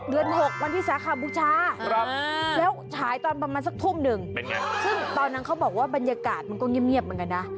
เดือน๖วันที่สาขาบูชาแล้วฉายตอนประมาณสักทุ่มหนึ่งซึ่งตอนนั้นเขาบอกว่าบรรยากาศมันก็เงียบเหมือนกันนะ